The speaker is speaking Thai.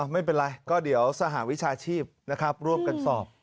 ไม่เป็นไรก็เดี๋ยวสหวิชาชีพนะครับร่วมกันสอบ